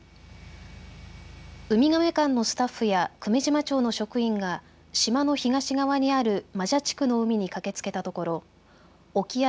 ウミガメ館のスタッフや久米島町の職員が島の東側にある真謝地区の海に駆けつけたところ沖合